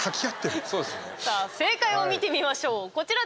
さあ、正解を見てみましょう。